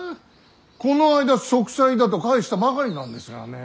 こないだ息災だと返したばかりなんですがね。